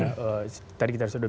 tadi kita sudah berbicara tentang